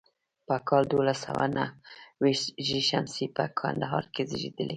په کال دولس سوه نهو ویشت هجري شمسي په کندهار کې زیږېدلی.